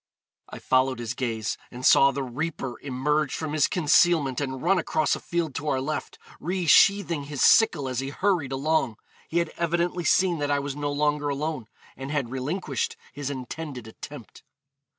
I followed his gaze, and saw the reaper emerge from his concealment and run across a field to our left, resheathing his sickle as he hurried along. He had evidently seen that I was no longer alone, and had relinquished his intended attempt.'